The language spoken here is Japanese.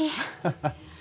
ハッハハ。